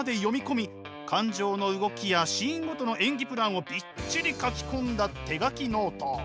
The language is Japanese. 感情の動きやシーンごとの演技プランをびっちり書き込んだ手書きノート。